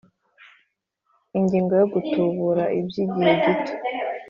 Ingingo ya Gutubura by’ igihe gito